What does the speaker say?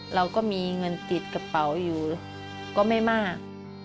เราก็มีเงินติดกระเป๋าอยู่ก็ไม่มาก